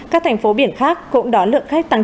các thành phố biển khác cũng đón lượng khách tăng